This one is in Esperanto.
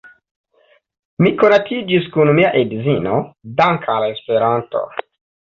Mi konatiĝis kun mia edzino dankʼ al Esperanto.